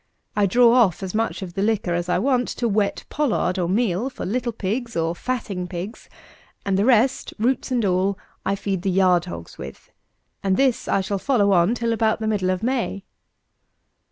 I draw off as much of the liquor as I want to wet pollard, or meal, for little pigs or fatting pigs, and the rest, roots and all, I feed the yard hogs with; and this I shall follow on till about the middle of May.